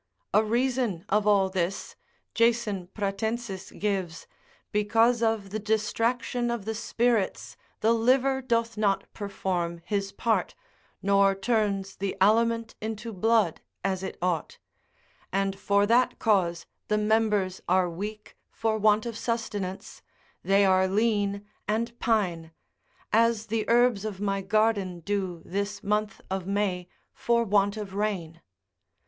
A reason of all this, Jason Pratensis gives, because of the distraction of the spirits the liver doth not perform his part, nor turns the aliment into blood as it ought, and for that cause the members are weak for want of sustenance, they are lean and pine, as the herbs of my garden do this month of May, for want of rain.